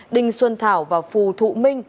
đình xuân thảo và phù thụ minh